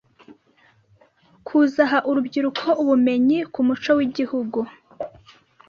kuzaha urubyiruko ubumenyi ku muco w’igihugu